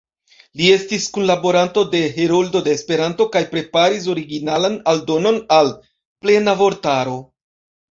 Li estis kunlaboranto de "Heroldo de Esperanto" kaj preparis originalan aldonon al „Plena Vortaro“.